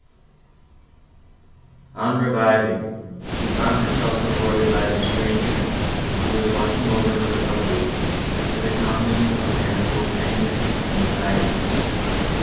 On reviving, she found herself supported by the stranger, who was watching over her recovery, with a countenance of ineffable tenderness and anxiety.